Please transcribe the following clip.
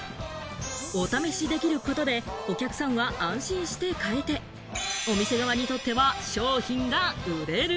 お試しできることで、お客さんは安心して買えて、お店側にとっては商品が売れる。